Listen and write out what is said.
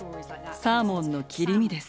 サーモンの切り身です。